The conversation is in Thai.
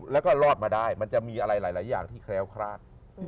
แล้วก็รอดมาได้มันจะมีอะไรหลายอย่างที่แคล้วคลาด